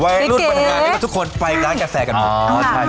ไว้รุ้นมาทำงานให้ว่าทุกคนไปร้านกาแฟกัน